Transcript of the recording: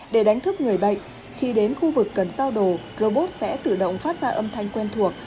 để đánh thức người bệnh khi đến khu vực cần sao đồ robot sẽ tự động phát ra âm thanh quen thuộc